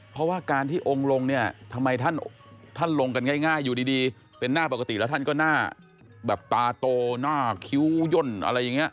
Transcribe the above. เพราะว่าการที่องค์ลงเนี่ยทำไมท่านลงกันง่ายอยู่ดีเป็นหน้าปกติแล้วท่านก็หน้าแบบตาโตหน้าคิ้วย่นอะไรอย่างนี้